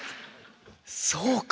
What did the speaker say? そうか。